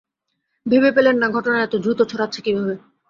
ভেবে পেলেন না ঘটনা এত দ্রুত ছড়াচ্ছে কীভাবে?